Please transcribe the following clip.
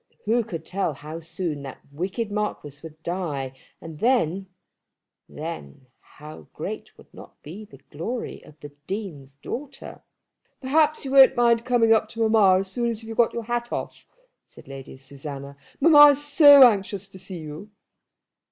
Who could tell how soon that wicked Marquis would die; and then, then how great would not be the glory of the Dean's daughter! "Perhaps you won't mind coming up to mamma as soon as you have got your hat off," said Lady Susanna. "Mamma is so anxious to see you."